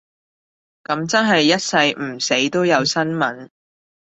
噉真係一世唔死都有新聞